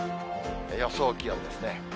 予想気温ですね。